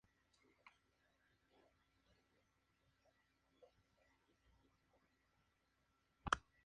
Es originaria de Australia en Queensland, donde se encuentra cerca de Tully.